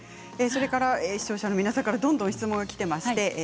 視聴者の皆さんからどんどん質問がきています。